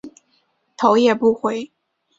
头也不回